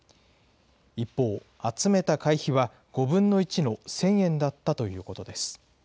一方、集めた会費は５分の１の１０００円だったということです。